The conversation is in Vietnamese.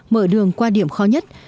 mở đường qua điểm khó nhất